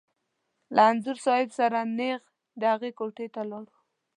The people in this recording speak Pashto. له انځور صاحب سره نېغ د هغه کوټې ته لاړو.